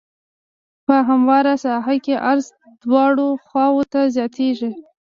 په همواره ساحه کې عرض دواړو خواوو ته زیاتیږي